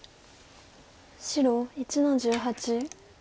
白１の十八。